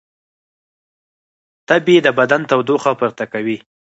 تبې د بدن تودوخه پورته کوي